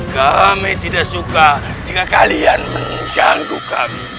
kami tidak suka jika kalian mengganggu kami